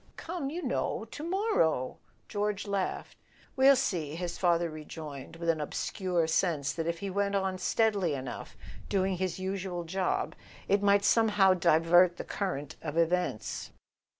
"Come, you know— to morrow /" George laughed. "We'll see," his father rejoined, with an obscure sense that if he went on steadily enough doing his usual job it might somehow divert the current of events.